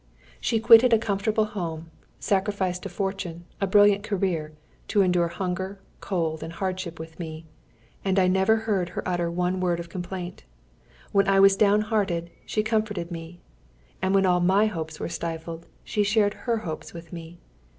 She quitted a comfortable home, sacrificed a fortune, a brilliant career, to endure hunger, cold, and hardship with me. And I never heard her utter one word of complaint. When I was downhearted, she comforted me. And when all my hopes were stifled, she shared her hopes with me.